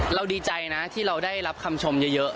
ดีใจนะที่เราได้รับคำชมเยอะ